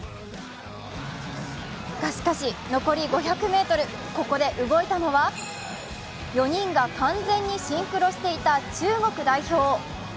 が、しかし、残り５００ｍ、ここで動いたのは４人が完全にシンクロしていた中国代表。